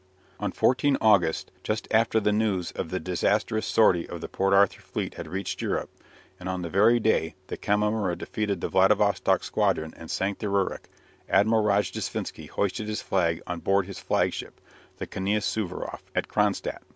On 14 August just after the news of the disastrous sortie of the Port Arthur fleet had reached Europe, and on the very day that Kamimura defeated the Vladivostock squadron and sank the "Rurik" Admiral Rojdestvensky hoisted his flag on board his flagship, the "Knias Suvaroff," at Cronstadt.